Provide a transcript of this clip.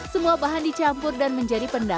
semua bahan dicampur dan menjadi pendang